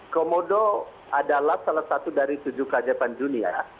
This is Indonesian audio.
komodo adalah salah satu dari tujuh kerajaan dunia